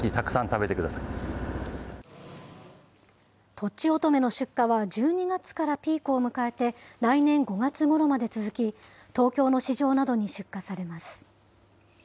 とちおとめの出荷は１２月からピークを迎えて、来年５月ごろまで続き、東京の市場などに出荷されます。